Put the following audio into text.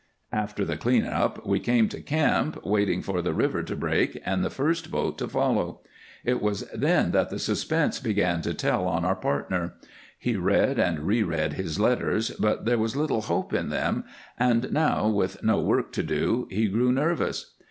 After the clean up we came to camp, waiting for the river to break and the first boat to follow. It was then that the suspense began to tell on our partner. He read and reread his letters, but there was little hope in them, and now, with no work to do, he grew nervous.